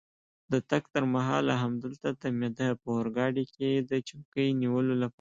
د تګ تر مهاله همدلته تمېده، په اورګاډي کې د چوکۍ نیولو لپاره.